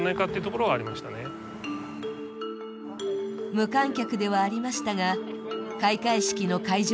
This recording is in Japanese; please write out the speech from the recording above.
無観客ではありましたが、開会式の会場